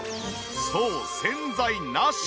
そう洗剤なし。